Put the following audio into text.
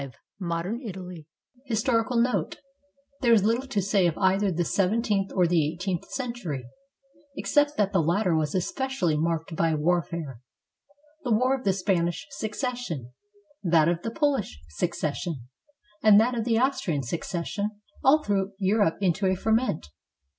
V MODERN ITALY HISTORICAL NOTE There is little to say of either the seventeenth or the eight eenth century, except that the latter was especially marked by warfare. The War of the Spanish Succession, that of the Polish Succession, and that of the Austrian Succession all threw Europe into a ferment.